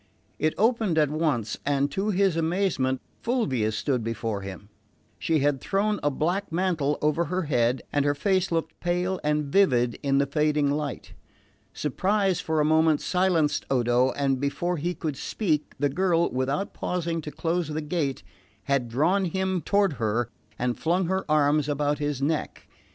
It opened at once, and to his amazement Fulvia stood before him. She had thrown a black mantle over her head, and her face looked pale and vivid in the fading light. Surprise for a moment silenced Odo, and before he could speak the girl, without pausing to close the gate, had drawn him toward her and flung her arms about his neck.